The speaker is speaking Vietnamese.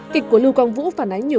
kịch của lưu quang vũ phản ánh nhiều